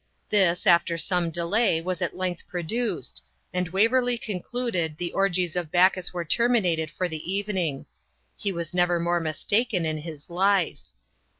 This, after some delay, was at length produced, and Waverley concluded the orgies of Bacchus were terminated for the evening. He was never more mistaken in his life.